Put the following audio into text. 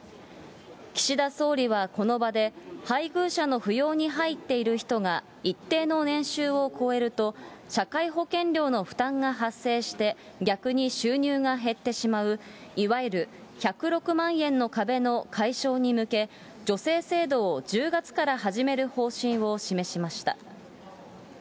岸田総理はこの場で、配偶者の扶養に入っている人が一定の年収を超えると、社会保険料の負担が発生して、逆に収入が減ってしまう、いわゆる１０６万円の壁の解消に向け、助成制度を１０月から始める方針を示しました。